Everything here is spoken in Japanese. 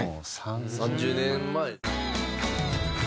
３０年前。